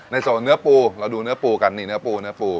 ในโสดเนื้อปูเราดูเนื้อปูกันนี่เนื้อปู